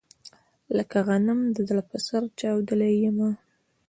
لکه غنم د زړه په سر چاودلی يمه